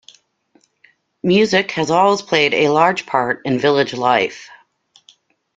Music has always played a large part in village life.